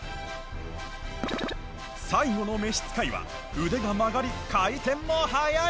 最後の召使いは腕が曲がり回転も速い！